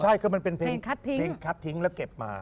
ใช่คือมันเป็นเพลงคัดทิ้งแล้วเก็บมา